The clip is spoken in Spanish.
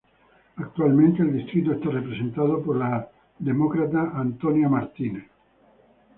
Actualmente el distrito está representado por la Demócrata Dina Titus.